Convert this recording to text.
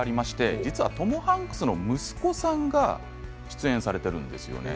実はトム・ハンクスさんの息子さんが出演されているんですよね。